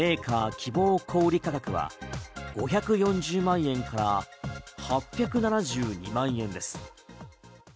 希望小売価格は５４０万円から８７２万円です。